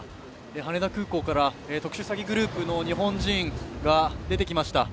羽田空港から特殊詐欺グループの日本人が出てきました。